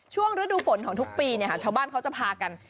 ฤดูฝนของทุกปีชาวบ้านเขาจะพากัน